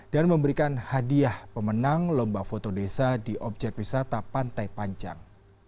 dan memberikan hadiah pemenang lomba foto desa di objek wisata pantai panjang